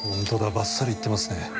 ばっさりいってますね。